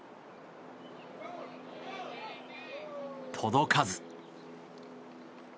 届かず。